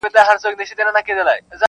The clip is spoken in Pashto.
د تسو لاسو بدنامۍ خبره ورانه سوله ,